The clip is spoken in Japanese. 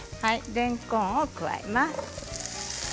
れんこんを加えます。